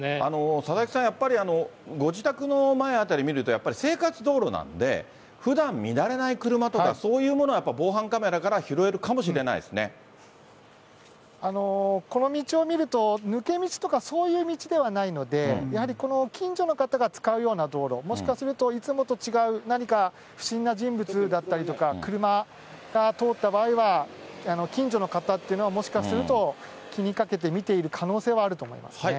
佐々木さん、やっぱりご自宅の前辺り見ると、生活道路なんで、ふだん、見慣れない車とか、そういうものはやっぱり防犯カメラかこの道を見ると、抜け道とか、そういう道ではないので、やはり近所の方が使うような道路、もしかすると、いつもと違う、何か不審な人物だったりとか、車が通った場合は、近所の方っていうのは、もしかすると、気にかけてみている可能性はあると思いますね。